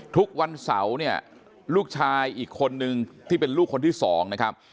ทุกวันเสาร์เนี่ยลูกชายอีกคนนึงที่เป็นลูกคนที่สองนะครับ